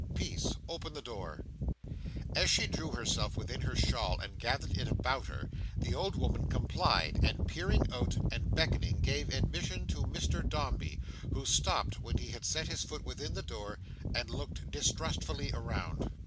"Peace! open the door." As she drew herself within her shawl, and gathered it about her, the old woman complied; and peering out, and beckoning, gave admission to Mr Dombey, who stopped when he had set his foot within the door, and looked distrustfully around.